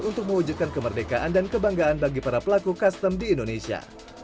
untuk mewujudkan kemerdekaan dan kebanggaan bagi para pelaku custom di indonesia